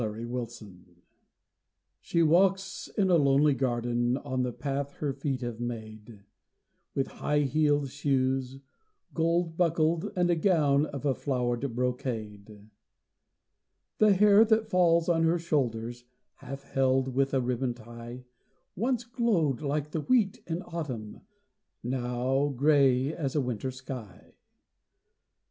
THE OLD MAID She walks in a lonely garden On the path her feet have made, With high heeled shoes, gold buckled, And gown of a flowered brocade; The hair that falls on her shoulders, Half held with a ribbon tie, Once glowed like the wheat in autumn, Now grey as a winter sky.